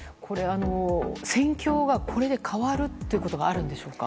戦況がこれで変わることはあるのでしょうか。